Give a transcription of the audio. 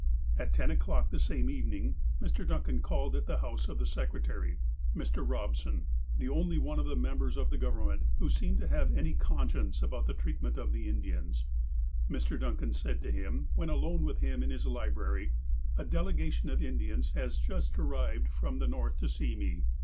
At ten o'clock that same evening, Mr. Duncan called at the house of the secretary, Mr. Robsou, the only one of the members of the Government who seemed to have any conscience about the treatment of the Indians. Mr. Duncan said to him, when alone with him in hia library : ''A delegation of Indians has just arrived from the North to see me.